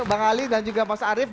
bang ali dan juga mas arief